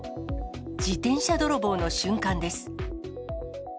自転車泥棒の瞬間です。